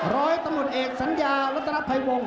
ร้อยตมุดเอกสัญญารัฐรัภัยวงศ์